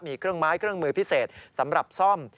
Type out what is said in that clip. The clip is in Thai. มีเครื่องไม้เครื่องมือพิเศษสำหรับซ่อม